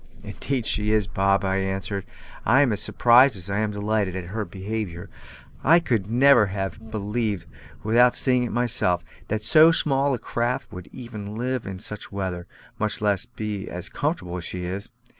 "Indeed she is, Bob," I answered; "I am as surprised as I am delighted at her behaviour; I could never have believed, without seeing it myself, that so small a craft would even live in such weather, much less be as comfortable as she is.